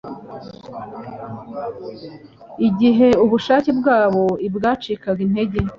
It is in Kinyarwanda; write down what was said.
Igihe ubushake bwabo Ibwacikaga intege,